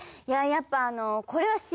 やっぱ。